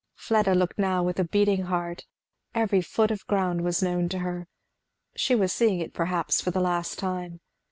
Fleda looked now with a beating heart. Every foot of ground was known to her. She was seeing it perhaps for the last time.